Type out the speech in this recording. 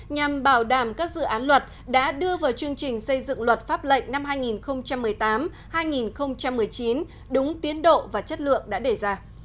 nhằm bảo đảm các dự án luật đã đưa vào chương trình xây dựng luật pháp lệnh năm hai nghìn một mươi tám hai nghìn một mươi chín đúng tiến độ và chất lượng đã đề ra